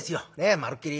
まるっきり